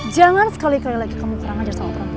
jangan sekali kali lagi kamu terang terang sama perempuan